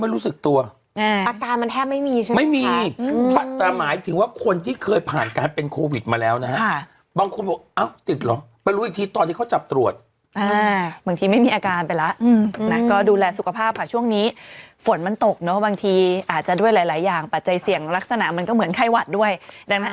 ไม่มีใช่ไหมไม่มีอืมแต่หมายถึงว่าคนที่เคยผ่านการเป็นโควิดมาแล้วนะฮะค่ะบางคนบอกอ้าวติดหรอไปรู้อีกทีตอนที่เขาจับตรวจอ่าบางทีไม่มีอาการไปแล้วอืมอืมน่ะก็ดูแลสุขภาพอ่ะช่วงนี้ฝนมันตกเนอะบางทีอาจจะด้วยหลายหลายอย่างปัจจัยเสี่ยงลักษณะมันก็เหมือนไข้หวัดด้